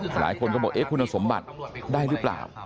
หลายคนก็บอกเอ๊ะคุณสมบัติได้หรือเปล่า